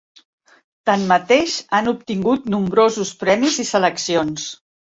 Tanmateix han obtingut nombrosos premis i seleccions.